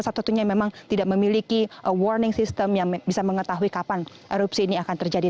satu satunya memang tidak memiliki warning system yang bisa mengetahui kapan erupsi ini akan terjadi